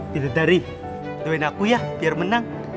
bidadari doain aku ya biar menang